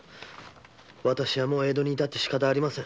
私はもう江戸にいたって仕方ありません。